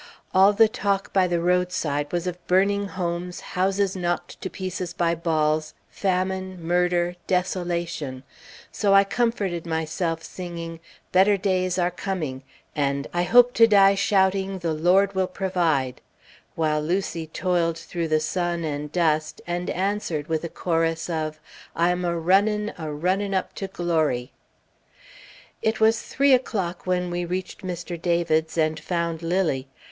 All the talk by the roadside was of burning homes, houses knocked to pieces by balls, famine, murder, desolation; so I comforted myself singing, "Better days are coming" and "I hope to die shouting, the Lord will provide"; while Lucy toiled through the sun and dust, and answered with a chorus of "I'm a runnin', a runnin' up to glo ry!" It was three o'clock when we reached Mr. David's and found Lilly.